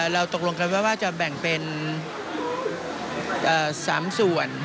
เราตกลงกันไว้ว่าจะแบ่งเป็น๓ส่วน